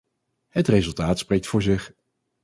Het resultaat spreekt voor zich.